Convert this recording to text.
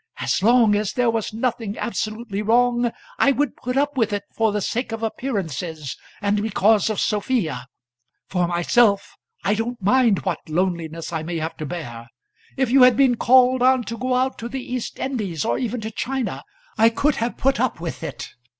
As long as there was nothing absolutely wrong, I would put up with it for the sake of appearances, and because of Sophia. For myself I don't mind what loneliness I may have to bear. If you had been called on to go out to the East Indies or even to China, I could have put up with it.